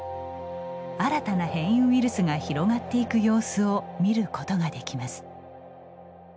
新たな変異ウイルスが広がっていく様子を見ることができます。